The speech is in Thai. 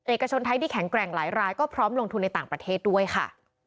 เอกชนไทยที่แข็งแกร่งหลายรายก็พร้อมลงทุนในต่างประเทศด้วยค่ะ